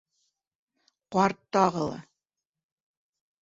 Ҡарт тағы ла: